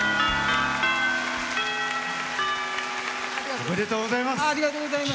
おめでとうございます。